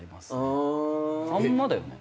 あんまだよね？